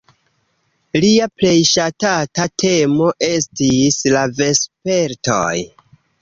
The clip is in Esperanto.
Lia plej ŝatata temo estis la vespertoj.